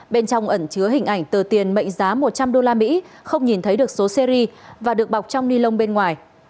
bên trong ẩn chứa hình ảnh tờ tiền mệnh giá một trăm linh usd không nhìn thấy được số series và được bọc trong ni lông bên ngoài